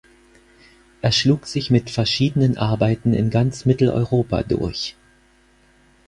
Er schlug sich mit verschiedenen Arbeiten in ganz Mitteleuropa durch.